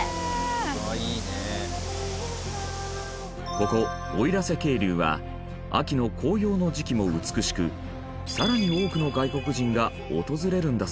ここ奥入瀬渓流は秋の紅葉の時期も美しくさらに多くの外国人が訪れるんだそうです。